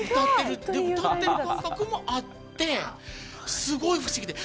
歌ってる感覚もあってすごい不思議で。